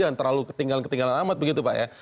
jangan terlalu ketinggalan ketinggalan amat begitu pak ya